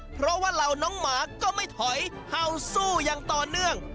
เพราะว่าเหล่าน้องหมาก็ไม่ถอยเห่าสู้อย่างต่อเนื่อง